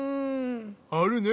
あるね